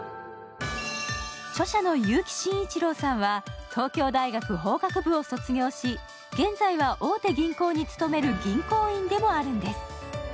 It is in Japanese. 著者の結城真一郎さんは東京大学法学部を卒業し現在は大手銀行に勤める銀行員でもあるんです。